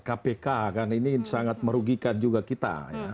kpk kan ini sangat merugikan juga kita